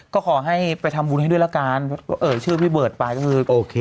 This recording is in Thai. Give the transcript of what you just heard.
ก็ขอให้ไปทำบุญให้ด้วยละกันเอ่ยชื่อพี่เบิร์ตไปก็คือโอเค